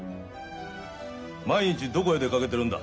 毎日どこへ出かけてるんだ？